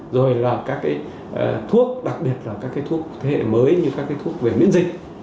rồi là các thuốc đặc biệt là các thuốc thế hệ mới như các thuốc về miễn dịch